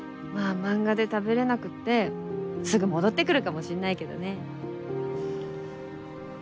まあ漫画で食べられなくてすぐ戻ってくるかもしれないけどね。